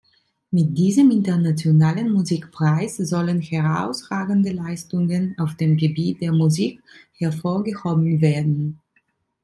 Mit diesem internationalen Musikpreis sollen „herausragende Leistungen auf dem Gebiet der Musik“ hervorgehoben werden.